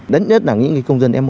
đến nhất là những công dân f một